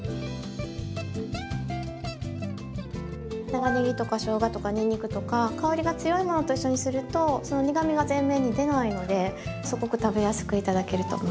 長ねぎとかしょうがとかにんにくとか香りが強いものと一緒にするとその苦みが前面に出ないのですごく食べやすく頂けると思います。